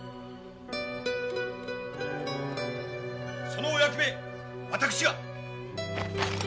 ・そのお役目私が！